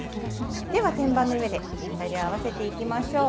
天板の上で材料を合わせていきましょう。